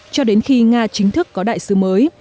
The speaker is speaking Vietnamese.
cho đến khi nga chính thức có đại sứ mới